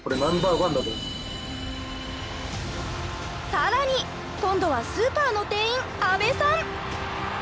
更に今度はスーパーの店員阿部さん。